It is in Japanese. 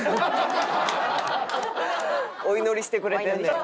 お祈りしてくれてんねん。